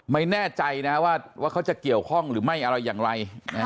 ไม่แน่ใจนะว่าเขาจะเกี่ยวข้องหรือไม่อะไรอย่างไร